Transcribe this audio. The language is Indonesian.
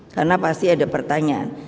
karena pasti ada pertanyaan